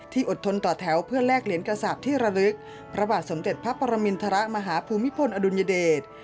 อดทนต่อแถวเพื่อแลกเหรียญกษาปที่ระลึกพระบาทสมเด็จพระปรมินทรมาฮภูมิพลอดุลยเดช